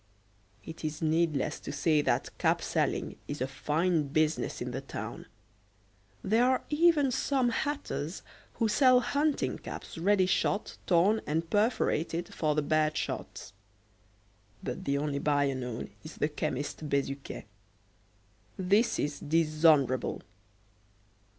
It is needless to say that cap selling is a fine business in the town. There are even some hatters who sell hunting caps ready shot, torn, and perforated for the bad shots; but the only buyer known is the chemist Bezuquet. This is dishonourable!